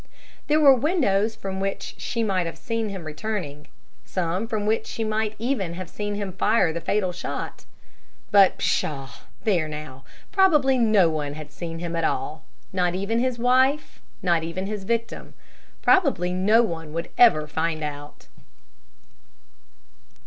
There were windows from which she might have seen him returning, some from which she might even have seen him fire the fatal shot. But pshaw, there now! Probably no one had seen him at all, not even his wife, not even his victim! Probably no one would ever find out.